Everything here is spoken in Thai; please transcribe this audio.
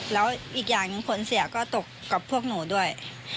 แล้วอีกอย่างหนึ่งผลเสียก็ตกกับพวกหนูด้วย